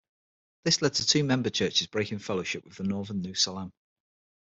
This led to two member churches breaking fellowship with the Northern New Salem.